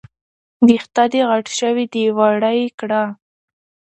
وېښته دې غټ شوي دي، واړه يې کړه